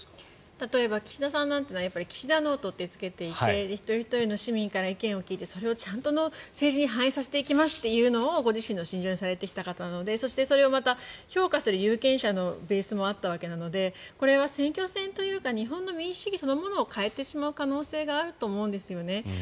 例えば岸田さんなんていうのは岸田ノートってつけていて一人ひとりの市民から意見を聞いてそれをちゃんと政治に反映させていきますというのをご自身の信条にされてきた方なのでそしてそれをまた評価する有権者のベースもあったわけなのでこれは選挙戦というか日本の民主主義そのものを変えてしまう可能性があると思うんです。